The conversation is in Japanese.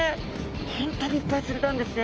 本当にいっぱいつれたんですね。